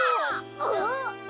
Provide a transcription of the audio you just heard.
あっ！